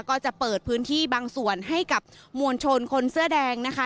ก็จะเปิดพื้นที่บางส่วนให้กับมวลชนคนเสื้อแดงนะคะ